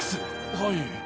はい。